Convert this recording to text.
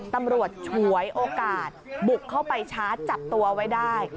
ตำรวจฉวยโอกาสบุกเข้าไปช้าจับตัวไว้ได้